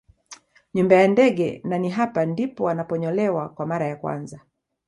Nyumba ya ndege na ni hapa ndipo wanaponyolewa kwa mara ya kwanza